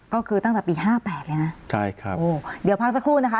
ก็คือตั้งแต่ปีห้าแปดเลยนะใช่ครับโอ้เดี๋ยวพักสักครู่นะคะ